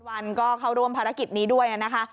วันก็เข้าร่วมภารกิจนี้ด้วยนะคะ